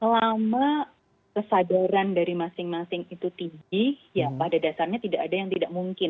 selama kesadaran dari masing masing itu tinggi ya pada dasarnya tidak ada yang tidak mungkin